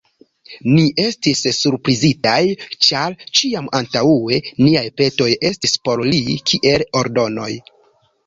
Ni estis surprizitaj, ĉar ĉiam antaŭe niaj petoj estis por li kiel ordonoj.